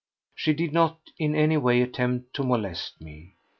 She did not in any way attempt to molest me.